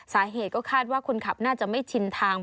สาเหตุก็คาดว่าคนขับน่าจะไม่ชินทาง